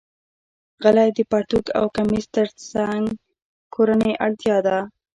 غلۍ د پرتوګ او کمیس تر څنګ کورنۍ اړتیا ده.